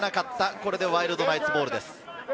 これでワイルドナイツボールです。